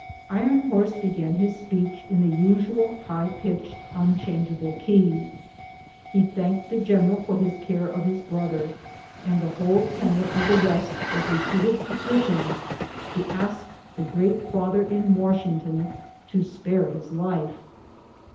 Iron Horse began his speech in the usual high pitched, unchangeable key. He thanked the general for his care of his brother, and the whole tenor of the rest was re peated petitions to ask the Great Father in Washington to spare his life.